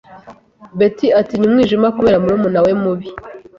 Beth atinya umwijima kubera murumuna we mubi.